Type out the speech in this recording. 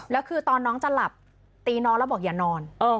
แล้วคือตอนน้องจะหลับตีน้องแล้วบอกอย่านอน